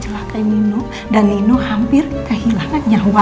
celaka nino dan nino hampir kehilangan nyawa